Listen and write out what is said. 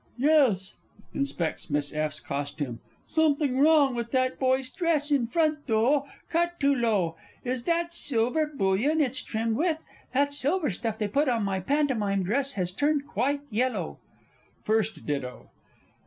Yes. (Inspects MISS F.'S costume.) Something wrong with that boy's dress in front, though, cut too low. Is that silver bullion it's trimmed with? That silver stuff they put on my pantomime dress has turned quite yellow! FIRST DITTO.